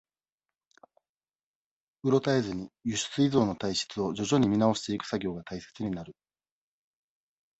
うろたえずに、輸出依存の体質を徐々に見直していく作業が大切になる。